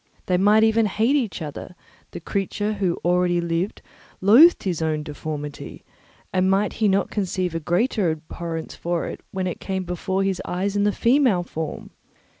They might even hate each other; the creature who already lived loathed his own deformity, and might he not conceive a greater abhorrence for it when it came before his eyes in the female form?